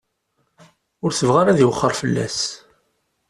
Ur tebɣi ara ad iwexxer fell-as.